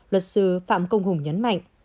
luật sư phạm công hùng nhấn mạnh